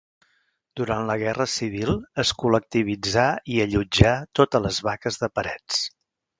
Durant la Guerra Civil es col·lectivitzà i allotjà totes les vaques de Parets.